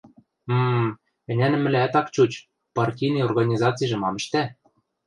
М-м... ӹнянӹмӹлӓӓт ак чуч: партийный организацижӹ мам ӹштӓ?